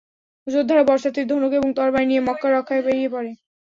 যোদ্ধারা বর্শা, তীর-ধনুক এবং তরবারি নিয়ে মক্কা রক্ষায় বেরিয়ে পড়ে।